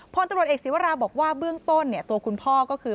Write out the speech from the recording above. พลตำรวจเอกศิวราบอกว่าเบื้องต้นตัวคุณพ่อก็คือ